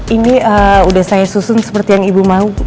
ini sudah saya susun seperti yang ibu mau